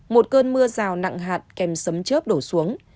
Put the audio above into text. một cơn mưa rào nặng hạt kèm sấm chớp đổ xuống